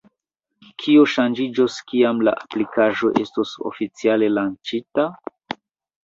Kio ŝanĝiĝos, kiam la aplikaĵo estos oficiale lanĉita?